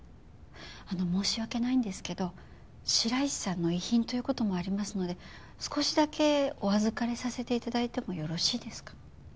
あの申し訳ないんですけど白石さんの遺品という事もありますので少しだけお預りさせて頂いてもよろしいですか？